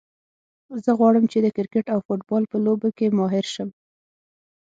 زه غواړم چې د کرکټ او فوټبال په لوبو کې ماهر شم